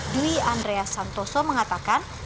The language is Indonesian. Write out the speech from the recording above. dwi andreas santoso mengatakan